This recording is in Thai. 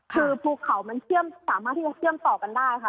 คือภูเขามันเชื่อมสามารถที่จะเชื่อมต่อกันได้ค่ะ